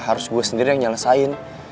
harus gue sendiri yang nyelesain